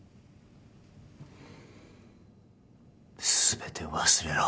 全て忘れろ。